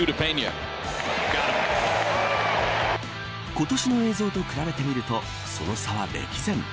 今年の映像と比べてみるとその差は歴然。